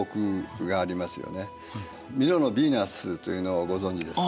ミロのヴィーナスというのをご存じですか？